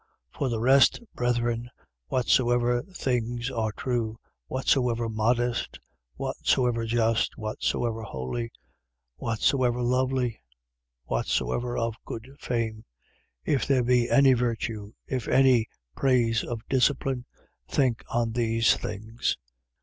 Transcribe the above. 4:8. For the rest, brethren, whatsoever things are true, whatsoever modest, whatsoever just, whatsoever holy, whatsoever lovely, whatsoever of good fame, if there be any virtue, if any praise of discipline: think on these things.